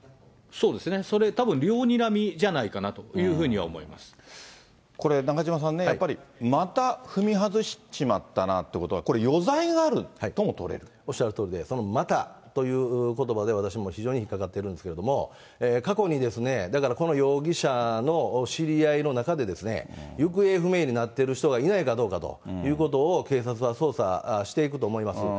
そうですね、それ、たぶん両にらみじゃないかなというふうにこれ、中島さんね、やっぱり、また踏み外しちまったなということは、これ、おっしゃるとおりで、その、また、ということばで私も非常に疑ってるんですけれども、過去に、だからこの容疑者の知り合いの中で、行方不明になっている人がいないかどうかということを警察は捜査していくと思います。